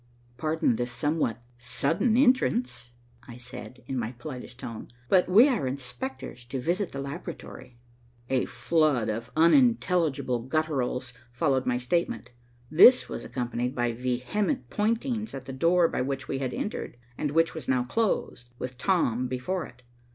"Pardon this somewhat sudden entrance," I said, in my politest tone, "but we are inspectors to visit the laboratory." A flood of unintelligible gutturals followed my statement. This was accompanied by vehement pointings at the door by which we had entered, and which was now closed, with Tom before it.